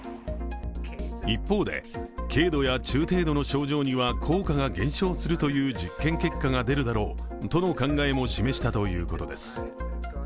一方で、軽度や中程度の症状には効果が減少するという実験結果が出るだろうとの考えも示したということです。